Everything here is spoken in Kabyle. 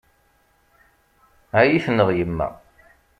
Ad iyi-tneɣ yemma.